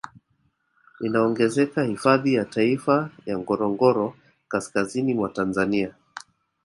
Inaongezeka hifadhi ya taifa ya Ngorongoro kaskazini mwa Tanzania